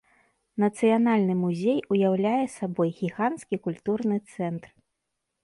Нацыянальны музей уяўляе сабой гіганцкі культурны цэнтр.